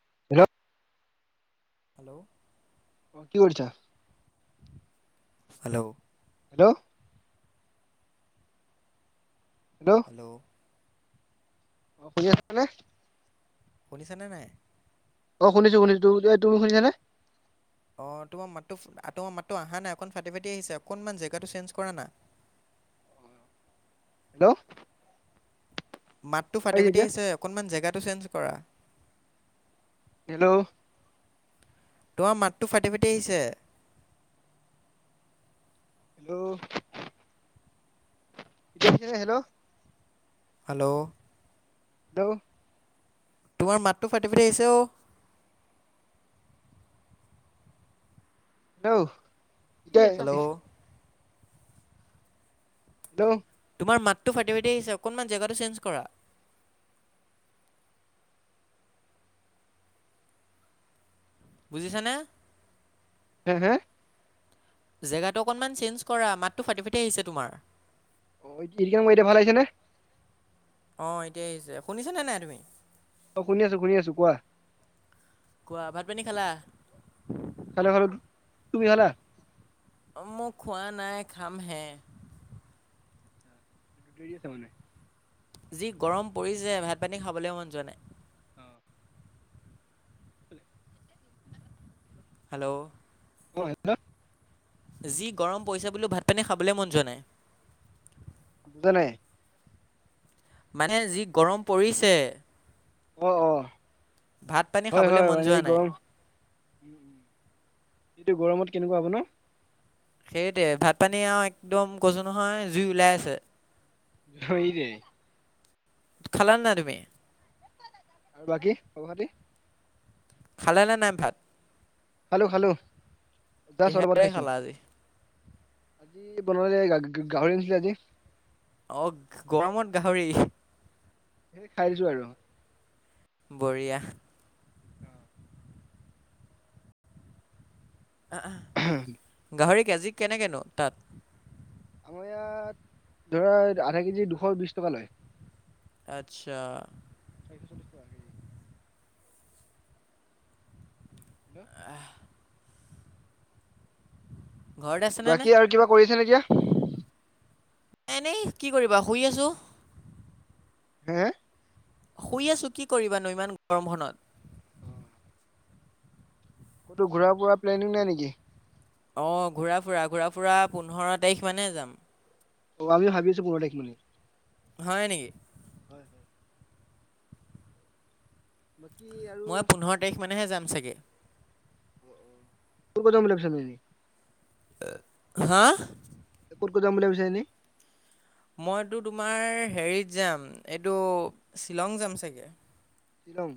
[unintelligible] Hello অ কি কৰিছা হেল্ল' হেল্ল' হেল্ল' অ শুনি আছ নে? শুনিছ নে নাই? অ শুনিছো শুনিছো। ত তুমি শুনিছানে? অ তোমাৰ মাতো তোমাৰ মাতো অহা নাই অকন ফাটি ফাটি আহিছে অকনমান জেগাটো চেঞ্জ কৰা না। হেল্ল' মাতটো ফাটি আহিছে ফাটি এতিয়া আছে অকনমান জেগাটো চেঞ্জ কৰা। হেল্ল' তোমাৰ মাতটো ফাটি ফাটি আহিছে। হেল্ল' হেল্ল' হেল্ল' ল্লো তোমাৰ মাতটো ফাটি ফাটি আহিছে অ। হেল্ল' হেল্ল' [unintelligible] দো আমাৰ মাতটো ফাটি ফাটি আহিছে অকণমান জেগাটো চেঞ্জ কৰা। বুজিছানে? হে হে জেগাটো অকণমান চেঞ্জ কৰা মাতটো ফাটি ফাটি আহিছে তোমাৰ। অ ফিলদৰ এতিয়া ভাল আহিছে নে? অ এতিয়া আহিছে শুনিছনে নাই তুমি? অ শুনি আছো শুনি আছো। কোৱা? কোৱা ভাত পানী খালা? খালা খালো। তুমি খালা? অ মোক খোৱা নাই খাম হে। ৰি ছাবেলিং যি গৰম পৰিছে ভাত পানী খাবলৈ মন যোৱা নাই। অ হেল্ল' ক এতলত যি গৰম পইছো বোলোঁ ভাত পানী খাবলৈ মন যোৱা নাই। বুজ নাই। মানে যি গৰম পৰিছে। অহ অ ভাত পানী হয় খাবলৈ হয় মন যোৱা এই নাই গৰমখনত এইটো গৰমত কেনেকুৱা আপোনাৰ? সেইটোৱে ভাত পানী আও একদম কৈছো নহয় জুই ওলাই আছে। তই এৰি দে খালা নাই তুমি? আৰু বাকী খব খাতি। খালে নে নাই ভাত। খালো খালো, জাষ্ট অলপত আগত কিহেৰে খাইছো। খালা আজি আজি বন গাহৰি গা গা গাহৰি আনছিলে আজি। অ গৰমত গাহৰি। সেই খাইছো আৰু। বঢ়িয়া। অহ অ, অহ। ওহু। [unintelligible] গাহৰি কেজি কেনেকৈনো তাত? আমাৰ ইয়াত ধৰা আধা কেজি দুশ বিশ টকা লয়। আচ্ছা। চাৰিশ চল্লিশ টকা কেজি। হেল্ল'। ঘৰত আছে নে নে। বাকী আৰু কিবা নে কৰিছে তেতিয়া। এনেই কি কৰিবা শুই আছো। হে। শুই আছোঁ কি কৰিবা নো ইমান গৰমখনত। অহ। ক'তো ঘূৰা ফৰা প্লেনিং নাই নেকি? অহ ঘূৰা ফুৰা ঘূৰা ফুৰা পোন্ধৰ তাৰিখ মানে যাম। অ আমি ভাবি আছো পোন্ধৰ তাৰিখে মানে। হয় নেকি। হয়, হয়। বাকী আৰু মই পোন্ধৰ তাৰিখ মানেহে যাম চাগে। অহ অহ, ক'ত ক'ত যাম বুলি ভাবিছা এনেই। হা। ক'ত ক'ত যাম বুলি ভাবিছা এনেই। মইতো তোমাৰ হেৰিত যাম এইটো শ্বিলং যাম চাগে। শ্বিলং।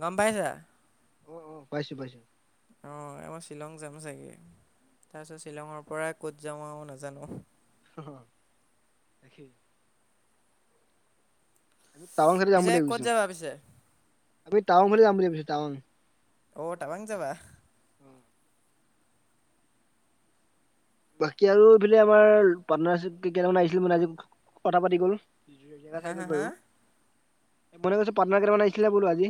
গম পাইছা। অ অ পাইছো পাইছো। অ এই মই শ্বিলং যাম চাগে, তাৰপিছত শ্বিলঙৰ পৰাই ক'ত যাওঁ আৰু নাজানো। অহ একেই। আমি টাৱাং ছাইডে যাম পিছে বুলি ক'ত ভাবিছো, যাবা পিছে আমি টাৱাং ফালে যাম বুলি ভাবিছো টাৱাং। ঔ টাৱাং যাবা। বাকী আৰু এইফালে আমাৰ পাৰ্টনাৰশ্বিপ কেইটামান আহিছিল মানে আজি কথা পাতি গ'ল। জো চাই গ'ল বাৰু মনে কৈছে পাটনাৰ কেইটামান আহিছিলে বোলো আজি।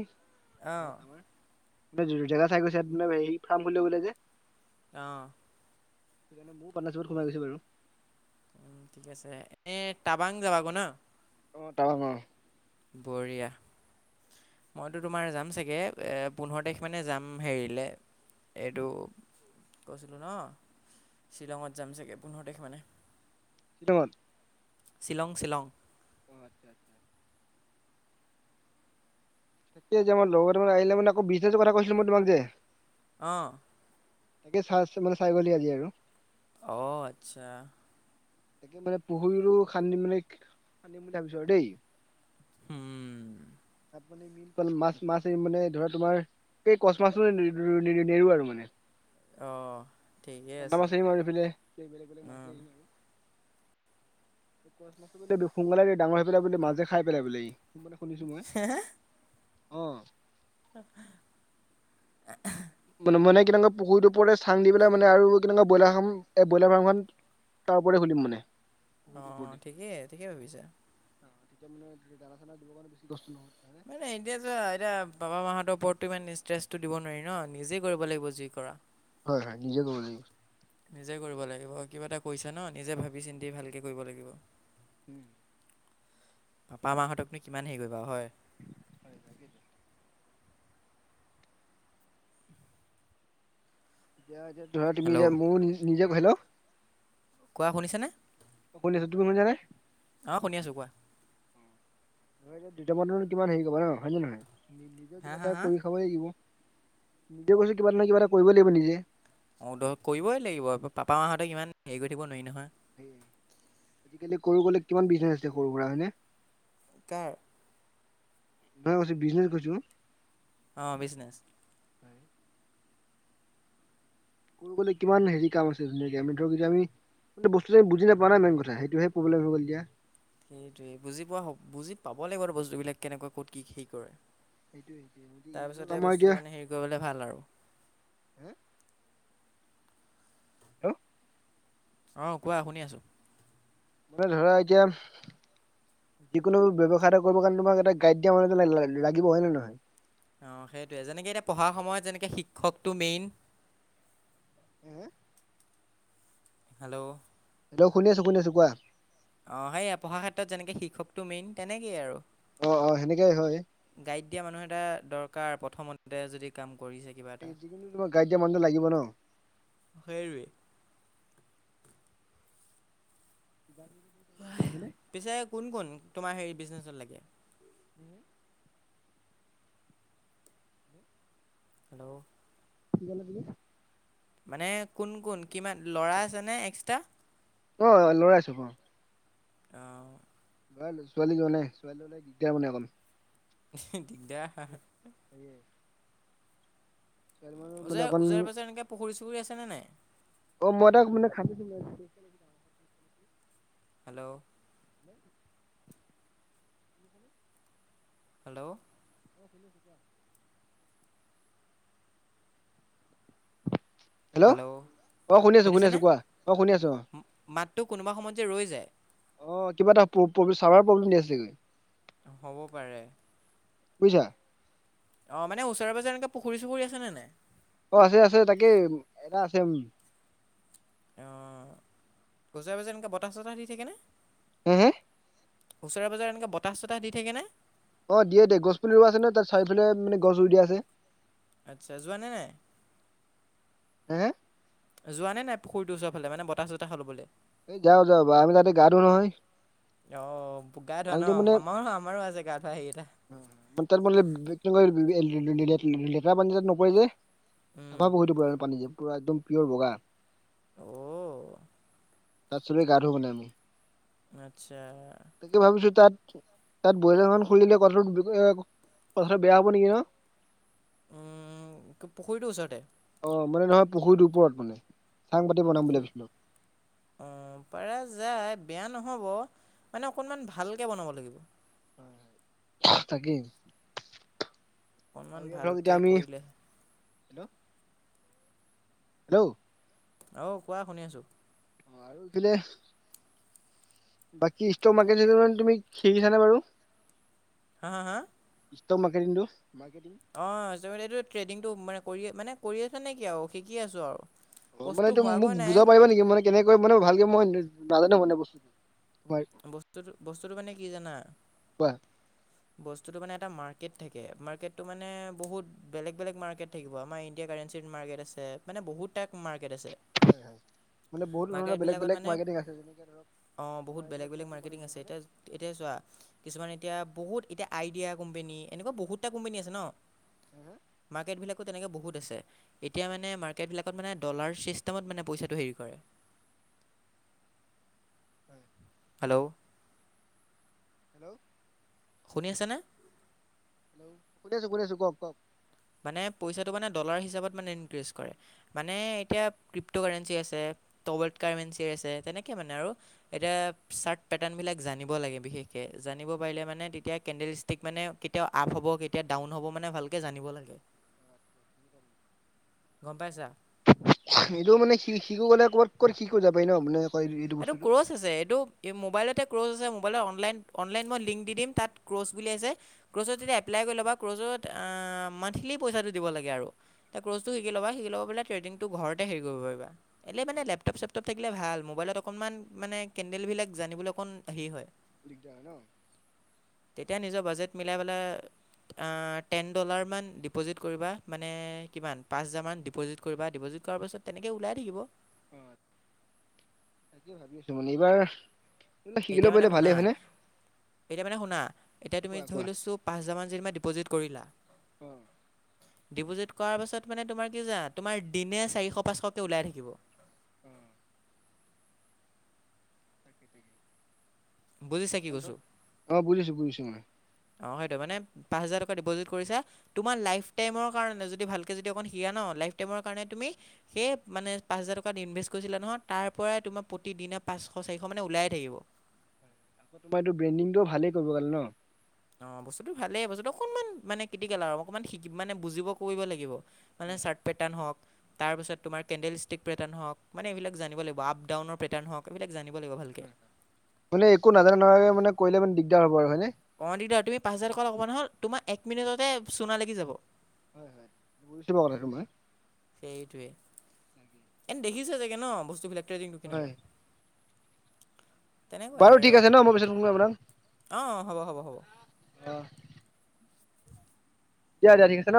অঁ ঘৰত আমাৰ জেগা চাই গৈছে ইয়াত মানে হেৰি ফাৰ্ম খুলে লে বোলে যে। অঁ সেইকাৰণে মোৰ পাৰ্টনাৰশ্বিপত সোমাই গৈছো বাৰু। উম ঠিক আছে, এনে টাবাং যাব গৈ ন। অ‍ঁ টাৱাং অঁ। বঢ়িয়া। মইতো তোমাৰ যাম চাগে, এ পোন্ধৰ তাৰিখ মানে যাম হেৰিলে। এইটো কৈছিলো ন। শ্বিলঙত যাম চাগে পোন্ধৰ তাৰিখে মানে। সেইটা বত। [unintelligible] শ্বিলং শ্বিলং। অ আচ্ছা আচ্ছা একেই যে আমাৰ লগৰ কেইটামান আহিলে মান আকৌ বিজনেছো কথা কৈছিলো মই তোমাক যে। অহ। তাকে চাই মানে চাই গ'লি আজি আৰু। অ আচ্ছা। তাকে মানে পুখুৰীৰো খান্দি মানে খান্দিম বুলি ভাবিছো আৰু দেই। উম কন মাছ মাছ মানে ধৰা তোমাৰ এই কচ মাছো নেৰো আৰু মানে। অঁ ঠিকেই চন্দা আছে মাছ এইম আৰু এইফালে উম, বোলে দুখ সোনকালে ডাঙৰ হৈ পেলাই বুলিলে মাজে খাই পেলাই বোলে ই মানে শুনিছো মই অ। তা পা মানে কেনেকুৱা পুখুৰীটো ওপৰে চাং দি পেলাই মানে আৰু কেনেুৱা ব্ৰইলাৰ ফাৰ্ম এ ব্ৰইলাৰ ফাৰ্মখন তাৰ ওপৰে খুলিম মানে। অ পুখুৰীটোৰ ওপৰতে। ঠিকেই ঠিকেই ভাবিছা। [unintelligible] মানে এতিয়াজ এতিয়া বাবা মাহতব ওপৰতটো ইমান ষ্ট্ৰেচটো দিব নোৱাৰি ন নিজে কৰিব লাগিব যি কৰা। হয় হয় নিজে কজি নিজে কৰিব লাগিব। কিবা এটা কৈছা ন নিজে ভাবি চিন্তি ভালকে কৰিব লাগিব। উম। পাপা মাহঁতক তুমি কিমান হেৰি কৰিবা হয়। [unintelligible] ধৰা তুমি হেল্ল' যে মোৰ নি নিজে হেল্ল কোৱা শুনিছেনে? অকলে আছোঁ। তুমি শুনিছা নে? অ শুনি আছো কোৱা? নহয় এতিয়া দুটা মানৰ কিমান হেৰি কৰিব ন হয় নে নহয় নিজেও হা কিবা হা এটা হা কৰি খাবই লাগিব। নিজে কৈছো কিবা নহ কিবা এটা কৰিব লাগিব নিজে। অ কৰিবই লাগিব পাপা মাহঁতেক ইমান হেৰি কৰি থাকিব নোৱাৰি নহয়। সেই আজিকালি কৰিবলে বিজনেছ সৰু গ'লে কিমান বিজনেচ আছে সৰু সুৰা হয়নে। কাৰ মই কৈছোঁ বিজনেছ কৰিছো। অ বিজনেছ। হয়। কৰোঁ গ'লে কিমান হেৰি কাম আছে ধুনীয়াকে আমি ধৰক এতিয়া আমি বস্তু বিলাক বুজি নাপাওঁ না মেইন কথা সেইটোহে প্ৰব্লেম হৈ গল এতিয়া। সেইটোৱে বুজি পোৱা হ বুজি পাব লাগিব ব বস্তুবলাক কেনেকুৱা ক'ত কি সেই কৰে। সেইটোৱে সেইটোৱে তাৰপিছতে আমাৰ এতিয়া বস্তুটো মানে হেৰি কৰিবলে ভাল আৰু। ঔ অহ কোৱা শুনি আছো? মানে ধৰা এতিয়া যিকোনো ব্যৱসায় এটা কৰিবৰ কাৰণে তোমাক এটা গাইড দিয়া মানহ লাগিব হয় নে নহয়। অহ সেইটোৱে যেনেকে এতিয়া পঢ়াৰ সময়ত যেনেকে শিক্ষকটো মেইন। হম হেল্ল' হেল্ল' শুনি আছো, শুনি আছো। কোৱা? অ সেইয়া পঢ়া ক্ষেত্ৰত যেনেকে শিক্ষকতটো মেইন তেনেকেই আৰু। অ অ সেনেকে হয় গাইড দিয়া মানুহ এটা দৰকাৰ প্ৰথমতে যদি কাম। কৰিছে কিবা এটা যিকোনো তোমাক গাইদ দিয়া মানুহ টো লাগিব ন। সেইটোৱে পিছে [unintelligible] কোন কোন তোমাৰ হেৰি বিজনেচত লাগে। [unintelligible] হেল্ল' কি ক'লে আপুনি মানে কোন কোন কিমান ল'ৰা আছেনে এক্সট্ৰা অ লৰাইছো অ তাও লৰা লৈছোঁ, ছোৱালী যোৱা নাই ছোৱালীওললে দিগদাৰ মানে অকম। দিগদাৰ ছোৱালী মানুহ মানে ওজাই অকণ ওজাৰ পাজৰে এনেকে পুখুৰী চুখুৰী আছে নে নাই? অ মই তাক মানে খান্দি [unintelligible] হেল্ল' ন। হেল্ল' অ শুনি আছোঁ। কোৱা? হেল্ল' অ শুনি আছো শুনি শুনিছেনে? আছো কোৱা অ শুনি আছো অ মাতটো কোনোবা সময়ত যে ৰৈ যায়। অ কিবা এটা প প চাৰফাৰ প্ৰব্লেম দি আছে চাগৈ। হ'ব পাৰে। বুজিছা অ মানে ওচৰে পাজৰে এনেকে পুখুৰী চুখুৰী আছে নে নাই। দা আছে ইআম। অ ওজৰে পাজৰে এনেকে বতাহ চতাহ দি থাকে নে? হে হে ওচৰে পাজৰে এনেকে বতাহ চতাহ দি থাকে নে? অ দিয়ে দিয়ে গছ পুলি ৰুৱা আছে ন তাত চাৰিওফালে মানে গছ ৰুই দিয়া আছে। আচ্ছা যোৱা নে, নাই হে হে যোৱা নে নাই? পুখুৰীটো ওচৰ ফালে মানে বতাহ চতাহ লবলে। এই যাও যাও আমি তাতে গা ধো নহয়। অহ। গা ধোৱা ন, পানীটো মানে আমাৰো আমাৰো আছে গা ধোৱা সেই এটা। তাত মানে লেতেৰা পানী যে নকৰে যে। উম। [unintelligible] পুৰা একদম পিয়'ৰ বগা। [unintelligible] তাত চুলে গা ধো মানে মো। আত্চ্ছা। তাকে ভাবিছো তাত তাত ব্ৰইলাৰ ফাৰ্ম খুলিলে কথাটো [unintelligible] কথাটো বেয়া হ'ব নেকি ন। উম পুখুৰীটো ওচৰতে। অ মানে নহয় পুখুৰীটো ওপৰত মানে। চাং পাতি বনাম বুলি বকো ভাবিছিলো অ পাৰা যায়। বেয়া নহব মানে অকনমান ভালকে বনাব লাগিব। হয় থাকিম। অকনমান ভালকে কৰিলে হেল্ল' হেল্ল' অ কোৱা শুনি আছোঁ? নোৱাৰোঁ এইফালে বাকী ষ্টক মাৰকেট তুমি শিকিছা নে বাৰু? হা হা হা। ইষ্টক মাকেটিংটো। অ এইটো মানে ট্ৰেডিংটো মানে কৰিয়ে মানে কৰি আছানে কি আও শিকি আছো আও। মানে এইটো মোক বুজাব পাৰিবা নেকি মানে কেনেকে কয় মানে ভালকে মই নাজানো মানে বস্তুটো। তোমাৰ বস্তুটো বস্তুটো মানে কি জানা কোৱা বস্তুটো মানে এটা মাৰ- কেট থাকে। মাৰ্কেটটো মানে বহুত বেলেগ বেলেগ মাৰ্কেট থাকিব, আমাৰ ইণ্ডিয়া কাৰেঞ্চিৰ মাৰ্কেট আছে। মানে বহু টাইপ মাৰ্কেট আছে। মান বহুত ধৰণ বেলেগ মাৰ্কেটবিলাকত বেলেগ মানে মাৰকেটিং আছে। যেনেকে ধৰক অ বহুত আপোনাৰ বেলেগ এইবিলাক বেলেগ কোম্পানী মাৰ্কেটিং বিলাক আছে, হয়নে এতিয়া এতিয়া চোৱা কিছুমান এতিয়া বহুত এতিয়া আইডিয়া কোম্পেনী এনেকুৱা বহুতটা কোম্পেনী আছে ন মাৰকেটবিলাক তেনেকে বহুত আছে এতিয়া মানে মাৰ্কেট বিলাকত মানে ডলাৰ চিষ্টেমত মানে পইচাটো হেৰি কৰে। হয়। হেলো! হেলো! শুনি আছানে? হেল্ল' শুনি আছো শুনি আছো কক কক মানে পইচাটো মানে ডলাৰ হিচাপত মানে ইনক্ৰিজ কৰে মানে এতিয়া ক্ৰিপট'কাৰেঞ্চি আছে। [unintelligible] তেনেকে মানে আৰু এতিয়া চাৰ্ট পেটাৰ্ণ বিলাক জানিব লাগে বিশেষকে। তাকে জানিব পাৰিলে মানে তেতিয়া কেণ্ডেল ষ্টিক মানে কেতিয়া আপ হ'ব কেতিয়া ডাউন হ'ব মানে ভালকে জানিব লাগে। [unintelligible] [inaudible] গম পাইছা। এইটোও মানে [unintelligible] মানে কবাত কবাত শিশু যাব পাৰি ন মানে এইটো এটো বস্তুটো [unintelligible] আছে এইটো এই মোবাইলতে [unintelligible] আছে মোবাইলত অনলাইন অনলাইন মই লিংক দি দিম তাত [unintelligible] বুলি আছে [unintelligible] যেতিয়া [unintelligible] তেতিয়া এপ্লাই কৰি ল'বা ক্ৰ'ছত তাৰ পিচত আ, মানথলি পইচাটো দিব লাগে আৰু ক্ৰছটো শিকি লবা শিকি লবাপিলে ট্ৰেডিংটো ঘৰতে হেৰি ক কৰিব পাৰিবা এনেই মানে লেপটপ চেপটপ থাকিলে ভাল মোবাইলত অক অকণমান মানে [unintelligible] বিলাক জানিবলৈ অকণ হেৰি হয়। দিগদাৰ ন। তেতিয়া নিজৰ বাজেট মিলাই পেলে আ টেন দলাৰ মান দিপজিত কৰিবা মানে কিমান পাঁচ হাজাৰ মান দিপজিত কৰিবা দিপজিত [unintelligible] পাছত তেনেকে ওলাই থাকিব। অ', তাকে ভাবি আছো মানে এবাৰ [unintelligible] এতিয়া শিকিলব মানে পাৰিলে শুনা ভালেই হয়নে। এতিয়া মানে শুনা এতিয়া তুমি কোৱা কোৱা। ধৰি লৈছোঁ পাঁচ হাজাৰ মান যেনিবা ডিপ'জিট কৰিলা। অ। ডিপজিত কৰা পাছত মানে তোমাৰ [unintelligible] তোমাৰ দিনে চাৰিখ পাঁচশকে ওলাই থাকিব। অ'। বুজিছা কি [unintelligible] অ' বুজিছো বুজিছো ময়। অ' হেতো মানে পাঁচ হাজাৰ টকা ডিপজিত কৰিচা তোমাৰ লাইফ টাইমৰ কাৰনে যদি ভালকে যদি অকন [unintelligible] ন লাইফ টাইমৰ কাৰণে তুমি সেই মানে পা‍ঁচ হাজাৰ টকাট ইনভেচ কৰিছিলা নহয় তাৰ পৰাই তোমাক প্ৰতিদিন এনে পাঁচশ চাৰিশ মানে ওলাই থাকিব। আকৌ তোমাৰ [unintelligible] ভালেই কৰিব গ'লে ন। অ', বস্তুতটো ভালেই বস্তুটো অকনমান মানে কিটি কেল আৰু অকমান শিকিব মানে বুজিব [unintelligible] লাগিব। মানে হয় হয় চাৰ্ট [unintelligible] হক। তাৰ পিছত তোমাৰ কেণ্ডেলষ্টিক [unintelligible] হক মানে এইবিলাক জানিব লাগিব আপদাউনৰ [unintelligible] হক এইবিলাক জানিব লাগিব ভালকে। মানে একো নাজানাকে মানে কৰিলে মানে দিগদাৰ হ'ব আৰু হয় নে। অ' দিগদাৰ তুমি পাঁচ হাজাৰ টকা লগাবা নহয় তোমাক এক মিনিটতে চোনা লাগি যাব। হয়-হয় বুজিছো বাৰু কথাটো ময়। সেইটোৱে এনে দেখিছা চাগে ন বস্তুবিলাক ট্ৰেডিংটো কেনেকুৱা। হয় তেনেকুৱাই বাৰু আৰু ঠিক আছে ন মই পিছত ফোন কৰিম আপোনাক। অ', হ'ব-হ'ব-হ'ব। অ'। দিয়া-দিয়া ঠিক আছে ন।